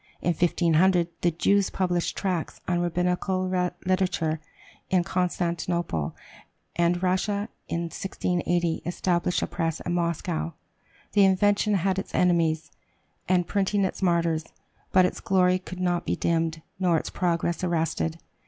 In 1500 the Jews published tracts on Rabbinical literature in Constantinople. And Russia, in 1680, established a press in Moscow. The invention had its enemies, and printing its martyrs; but its glory could not be dimmed, nor its progress arrested.